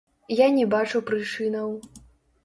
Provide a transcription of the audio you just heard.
Я не бачу прычынаў.